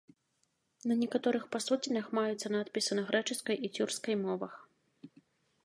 На некаторых пасудзінах маюцца надпісы на грэчаскай і цюркскай мовах.